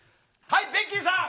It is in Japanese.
はいベッキーさん！